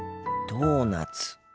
ドーナツ。